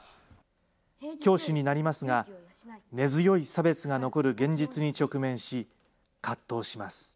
教師になりますが、根強い差別が残る現実に直面し、葛藤します。